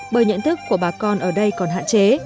bởi nhận thức của bà con ở đây còn hạn chế